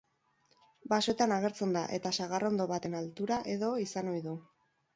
Basoetan agertzen da eta sagarrondo baten altura-edo izan ohi du.